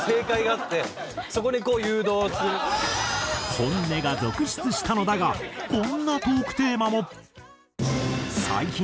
本音が続出したのだがこんなトークテーマも。